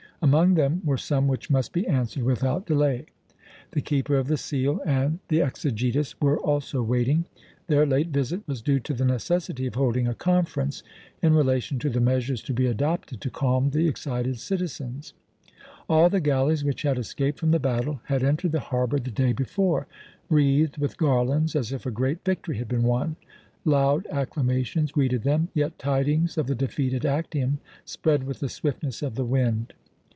Among them were some which must be answered without delay. The Keeper of the Seal and the Exegetus were also waiting. Their late visit was due to the necessity of holding a conference in relation to the measures to be adopted to calm the excited citizens. All the galleys which had escaped from the battle had entered the harbour the day before, wreathed with garlands as if a great victory had been won. Loud acclamations greeted them, yet tidings of the defeat at Actium spread with the swiftness of the wind.